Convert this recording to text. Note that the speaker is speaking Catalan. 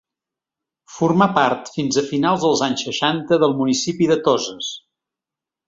Formà part fins a finals dels anys seixanta del municipi de Toses.